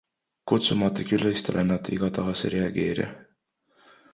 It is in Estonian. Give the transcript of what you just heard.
Kutsumata külalistele nad igatahes ei reageeri.